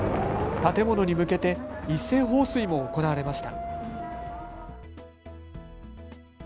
建物に向けて一斉放水も行われました。